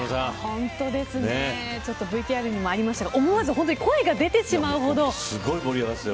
本当ですねＶＴＲにもありましたが思わず声が出てしまうほどです。